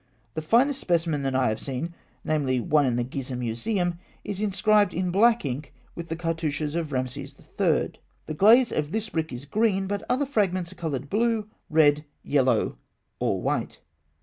The finest specimen that I have seen, namely, one in the Gizeh Museum, is inscribed in black ink with the cartouches of Rameses III. The glaze of this brick is green, but other fragments are coloured blue, red, yellow, or white.